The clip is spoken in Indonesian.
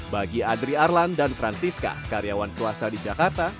bagi adri arlan dan francisca karyawan swasta di jakarta